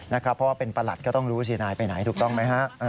เพราะว่าเป็นประหลัดก็ต้องรู้สินายไปไหนถูกต้องไหมฮะ